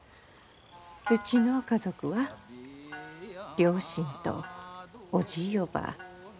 うちの家族は両親とおじぃおばぁ